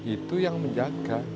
itu yang menjaga